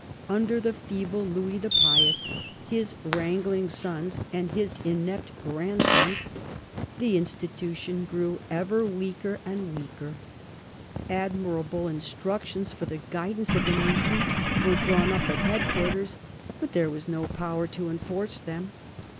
Under the feeble Louis the Pious, his wrangling sons and his ine])t grandsons, the institution grew ever weaker and weaker. Admirable instructions for the guidance of the Tnissi were drawn up at headquarters, but there was no power to enforce them.